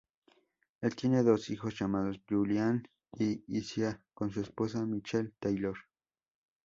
Él tiene dos hijos llamados Julian y Isiah, con su esposa Michelle Taylor.